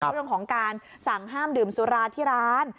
เรื่องของการสั่งห้ามดื่มสุราที่ร้าน